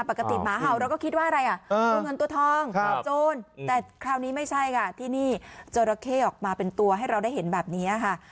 หมาเห่าเราก็คิดว่าอะไรอ่ะตัวเงินตัวทองโจรแต่คราวนี้ไม่ใช่ค่ะที่นี่จราเข้ออกมาเป็นตัวให้เราได้เห็นแบบนี้ค่ะ